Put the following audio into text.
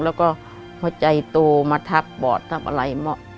แล้วก็พอใจโตมาทับบอดทับอะไร